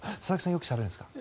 よくしゃべるんですか。